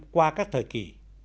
qua các thời kỷ